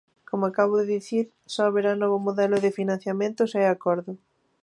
Como acabo de dicir, só haberá novo modelo de financiamento se hai acordo.